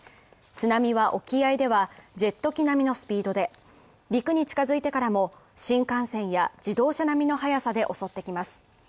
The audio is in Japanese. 津波は沖合ではジェット機並みのスピードで陸に近づいてからも新幹線や自動車並みの速さで襲ってきます